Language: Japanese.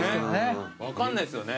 分かんないっすよね。